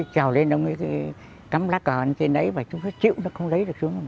chào lên ông ấy cắm lá cờ lên trên đấy và chú cứ chịu nó không lấy được xuống